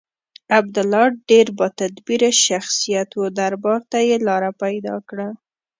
عبدالله ډېر با تدبیره شخصیت و دربار ته یې لاره پیدا کړه.